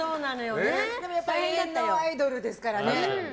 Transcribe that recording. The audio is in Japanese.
でもやっぱり永遠のアイドルですからね。